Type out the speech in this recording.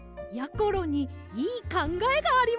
ころにいいかんがえがあります。